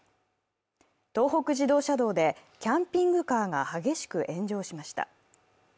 東北自動車道でキャンピングカーが激しく炎上しました。